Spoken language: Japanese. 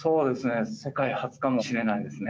世界初かもしれないですね。